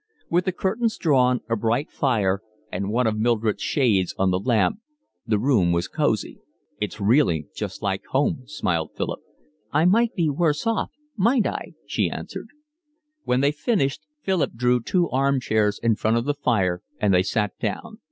With the curtains drawn, a bright fire, and one of Mildred's shades on the lamp, the room was cosy. "It's really just like home," smiled Philip. "I might be worse off, mightn't I?" she answered. When they finished, Philip drew two arm chairs in front of the fire, and they sat down.